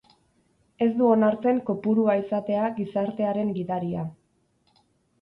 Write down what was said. Ez du onartzen kopurua izatea gizartearen gidaria.